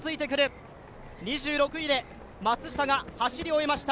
２６位で松下が走り終えました。